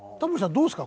どうですか？